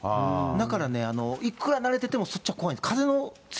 だからね、いくら慣れててもそっちは怖いです。